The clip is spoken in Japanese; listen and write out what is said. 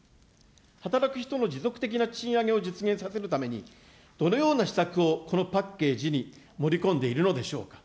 働く人の持続的な賃上げを実現させるために、どのような施策を、このパッケージに盛り込んでいるのでしょうか。